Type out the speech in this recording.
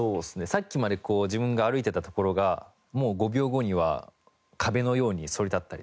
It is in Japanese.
さっきまで自分が歩いてた所がもう５秒後には壁のようにそり立ったりとか。